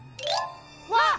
わっ！